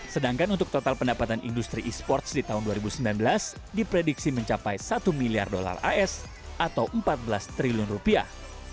sedangkan untuk total pendapatan industri e sports di tahun dua ribu sembilan belas diprediksi mencapai satu miliar dolar as atau empat belas triliun rupiah